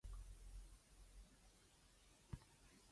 All league players were tested the next day.